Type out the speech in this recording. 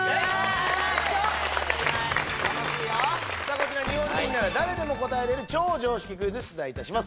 こちら日本人なら誰でも答えれる超常識クイズ出題いたします